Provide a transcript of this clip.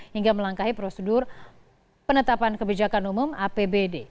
hingga melangkahi prosedur penetapan kebijakan umum apbd